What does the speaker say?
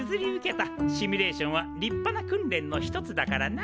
シミュレーションは立派な訓練の一つだからな！